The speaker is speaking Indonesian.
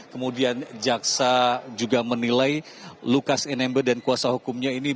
kemudian jaksa juga menilai lukas nmb dan kuasa hukumnya ini